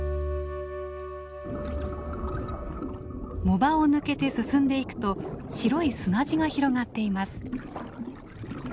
藻場を抜けて進んでいくと白い砂地が広がっています。